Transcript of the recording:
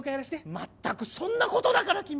まったくそんな事だから君。